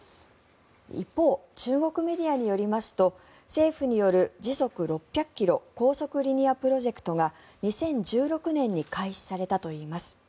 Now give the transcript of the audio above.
一方、中国メディアによりますと政府による時速６００ｋｍ高速リニアプロジェクトが２０１６年に開始されたといいます。